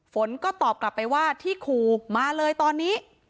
ฝนก็ตอบกลับไปว่าที่ขู่มาเลยตอนนี้